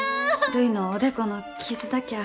るいのおでこの傷だきゃあ